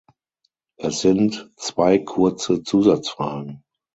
Es sind zwei kurze Zusatzfragen.